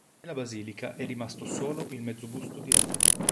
Nella basilica è rimasto solo il mezzo busto di rame.